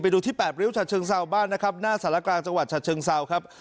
ดูที่แปดริ้วฉัดเชิงเซาบ้านนะครับหน้าสารกลางจังหวัดฉะเชิงเซาครับ